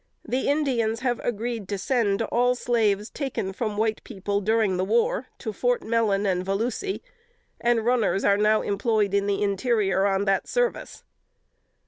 The Indians have agreed to send all slaves, taken from white people during the war, to Fort Mellon and Volusi; and runners are now employed in the interior on that service."